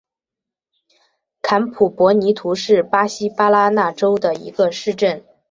坎普博尼图是巴西巴拉那州的一个市镇。